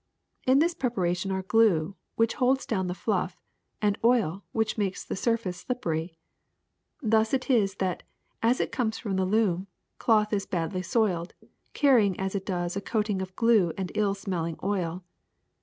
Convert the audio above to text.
In this preparation are glue, which holds down the fluff, and oil, which makes the surface slippery. ^'Thus it is that, as it comes from the loom, cloth is badly soiled, carrying as it does a coating of glue and ill smelling oil.